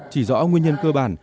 chỉ rõ nguyên nhân cơ bản